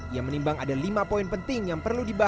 ia menimbang ada lima poin penting yang perlu dibahas